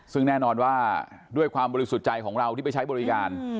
ซึ่งแน่นอนว่าด้วยความบริสุทธิ์ใจของเราที่ไปใช้บริการ